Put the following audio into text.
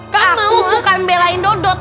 kamu bukan belain dodot